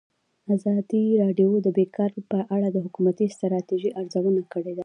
ازادي راډیو د بیکاري په اړه د حکومتي ستراتیژۍ ارزونه کړې.